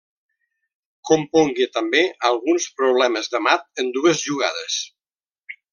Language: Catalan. Compongué també alguns problemes de mat en dues jugades.